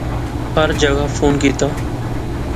ہر جاغا فون کیتیا